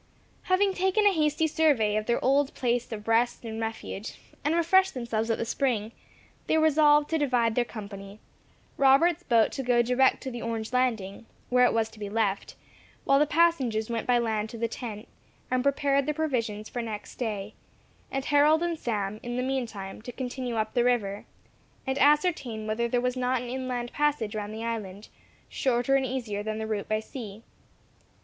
Having taken a hasty survey of their old place of rest and of refuge, and refreshed themselves at the spring, they resolved to divide their company Robert's boat to go direct to the orange landing, where it was to be left, while the passengers went by land to the tent, and prepared the provisions for next day; and Harold and Sam, in the meantime, to continue up the river, and ascertain whether there was not an inland passage round the island, shorter and easier than the route by sea.